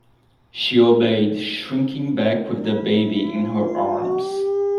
She obeyed, shrinking back with the baby in her arms.